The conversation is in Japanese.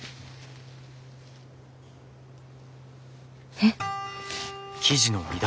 えっ！？